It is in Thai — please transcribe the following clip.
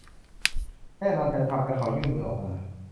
แน่นอนฉันทำ และเขายื่นมือออกมา